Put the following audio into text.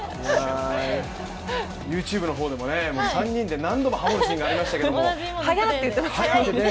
ＹｏｕＴｕｂｅの方でも３人でハモるシーンがありましたけど。